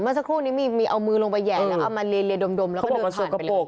เมื่อสักครู่นี้มีเอามือลงไปแห่แล้วเอามาเรียนดมแล้วก็เดินผ่านไปเลย